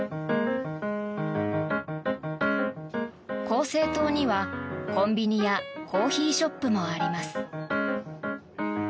厚生棟にはコンビニやコーヒーショップもあります。